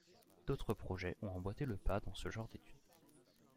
D'autres projets ont emboîté le pas dans ce genre d'étude.